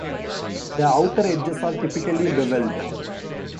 The outer edges are typically bevelled.